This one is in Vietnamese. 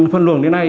phân luồng đến nay